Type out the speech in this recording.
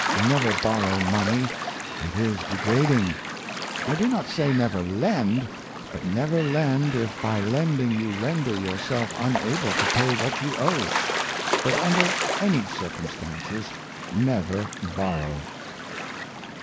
Never borrow money; it is degrading. I do not say never lend, but never lend if by lending you render yourself unable to pay what you owe; but under any ,382 Avoid Debt, circumstances never borrow."